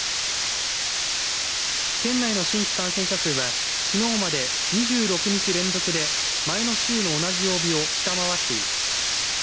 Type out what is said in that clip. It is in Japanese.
県内の新規感染者数はきのうまで２６日連続で前の週の同じ曜日を下回っています。